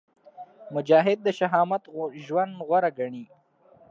مجاهد د شهامت ژوند غوره ګڼي.